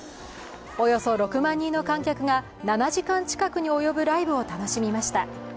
およそ６万人の観客が７時間近くに及ぶライブを楽しみました。